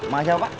ma siapa pak